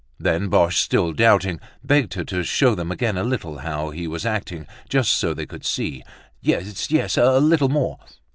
Then Boche, still doubting, begged her to show them again a little how he was acting, just so they could see. Yes, yes, a little more!